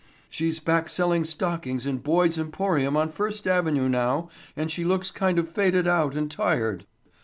She's back selling stockings in Boyd's Emporium on First avenue now and she looks kind of faded out and tired.